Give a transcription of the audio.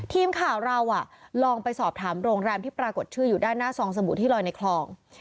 ทีมข่าวเราลองไปสอบถามโรงแรมที่ปรากฏชื่ออยู่ด้านหน้าซองสบู่ที่ลอยในคลอง